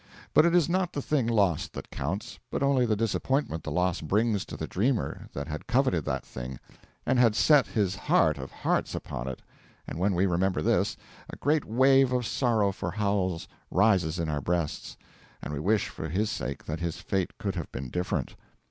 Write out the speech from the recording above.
But it is not the thing lost that counts, but only the disappointment the loss brings to the dreamer that had coveted that thing and had set his heart of hearts upon it, and when we remember this, a great wave of sorrow for Howells rises in our breasts, and we wish for his sake that his fate could have been different.